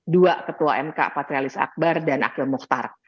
dua ketua mk patrialis akbar dan akhil mukhtar